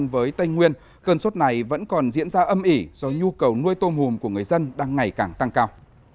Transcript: với tây nguyên cơn sốt này vẫn còn diễn ra âm ỉ do nhu cầu nuôi tôm hùm của người dân đang ngày càng tăng cao